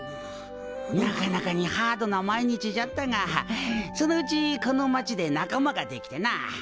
なかなかにハードな毎日じゃったがそのうちこの町で仲間ができてな。